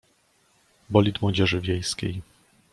Bolid Młodzieży Wiejskiej.